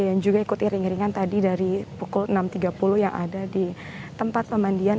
yang juga ikut iring iringan tadi dari pukul enam tiga puluh yang ada di tempat pemandian